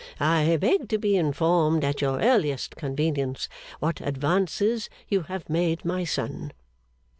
I beg to be informed at your earliest convenience, what advances you have made my son.